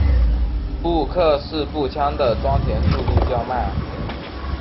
贝克式步枪的填装速度较慢。